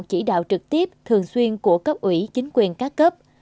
chỉ đạo trực tiếp thường xuyên của cấp ủy chính quyền các cấp